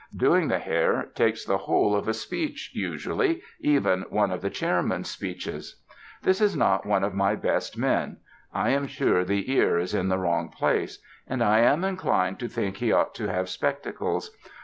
Doing the hair takes the whole of a speech, usually, even one of the chairman's speeches. This is not one of my best men; I am sure the ear is in the wrong place. And I am inclined to think he ought to have spectacles.